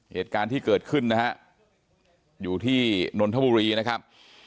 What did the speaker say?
เหตุการณ์ที่เกิดขึ้นนะฮะอยู่ที่นนทบุรีนะครับ